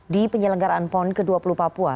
di penyelenggaraan pon ke dua puluh papua